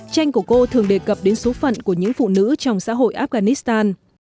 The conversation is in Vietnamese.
tranh của cô thường đề cập đến số phận của những phụ nữ trong xã hội afghanistan